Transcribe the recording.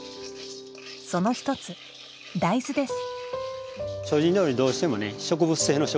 その一つ、大豆です。